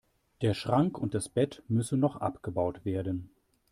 Der Schrank und das Bett müssen noch abgebaut werden.